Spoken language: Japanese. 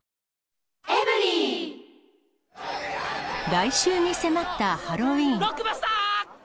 来週に迫ったハロウィーン。